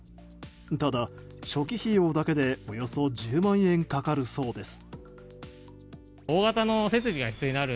ただ、初期費用だけでおよそ１０万円かかるそうです。